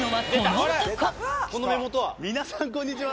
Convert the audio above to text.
皆さん、こんにちは。